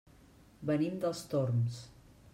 Venim dels Torms.